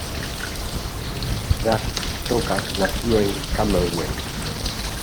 Prats Soca nació en Camagüey.